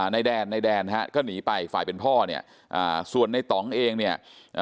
ในแดนในแดนฮะก็หนีไปฝ่ายเป็นพ่อเนี่ยอ่าส่วนในต่องเองเนี่ย